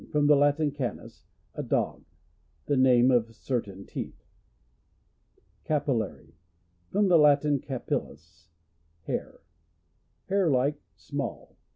— From the Latin, canis, a dog 1 . The name of certain teeth. : Capillary. — From the Latin, co/fif/us, hair. Hair like, small.